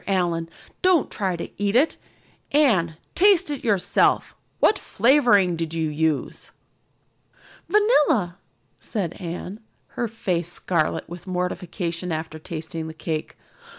Allan, don't try to eat it. Anne, taste it yourself. What flavoring did you use?" "Vanilla," said Anne, her face scarlet with mortification after tasting the cake.